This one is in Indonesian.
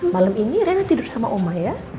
malem ini reina tidur sama oma ya